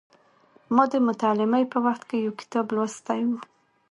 ما د متعلمۍ په وخت کې یو کتاب لوستی و.